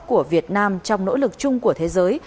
của việt nam trong nỗ lực chung của thế giới